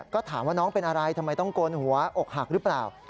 ก็ถามว่าน้องเป็นอะไรทำไมต้องโกนหัวอกหักหรือเปล่า